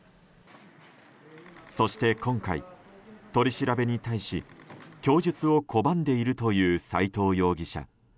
そして今回、取り調べに対し供述を拒んでいるという斎藤容疑者。